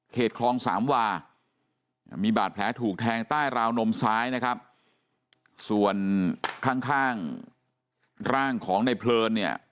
คลองสามวามีบาดแผลถูกแทงใต้ราวนมซ้ายนะครับส่วนข้างข้างร่างของในเพลินเนี่ย